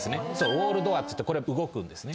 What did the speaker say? ウォールドアっつってこれ動くんですね。